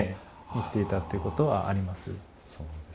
していたっていうことはあります。